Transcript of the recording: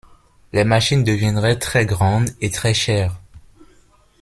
Les machines deviendraient très grandes et très chères.